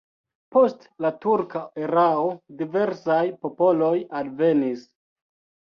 Post la turka erao diversaj popoloj alvenis.